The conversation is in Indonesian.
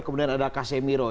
kemudian ada casemiro